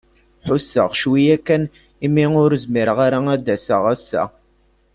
Ḥuseɣ cwiya kan i mi ur zmireɣ ara ad d-aseɣ ass-a.